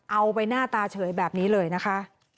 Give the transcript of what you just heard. เอาไปหน้าตาเฉยแบบนี้เลยนะคะ